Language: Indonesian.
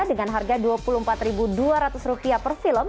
dengan harga rp dua puluh empat dua ratus per film